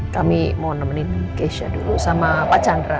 kami mau nemenin keisha dulu sama pak chandra